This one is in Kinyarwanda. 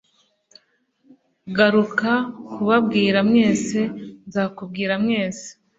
Garuka kubabwira mwese, nzakubwira mwese "-